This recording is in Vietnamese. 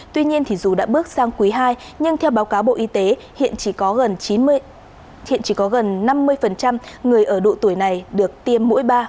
tuy nhiên dù đã bước sang quý ii nhưng theo báo cáo bộ y tế hiện chỉ có gần năm mươi người ở độ tuổi này được tiêm mũi ba